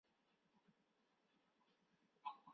他那张著名的肖像就是在这里拍摄的。